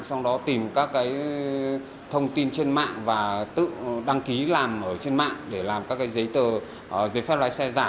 sau đó tìm các cái thông tin trên mạng và tự đăng ký làm ở trên mạng để làm các cái giấy phép lái xe giả